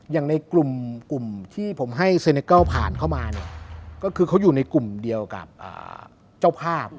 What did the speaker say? อย่างในกลุ่มที่ผมให้เซเนเกิลผ่านเข้ามาเนี่ยก็คือเขาอยู่ในกลุ่มเดียวกับเจ้าภาพ